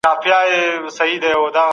بشريت ته د پوهې پيغام ورکړل سوی دی.